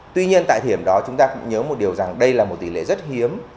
tuy nhiên tại thời điểm đó chúng ta cũng nhớ một điều rằng đây là một tỷ lệ rất hiếm